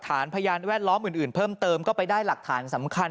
หลังจากพบศพผู้หญิงปริศนาตายตรงนี้ครับ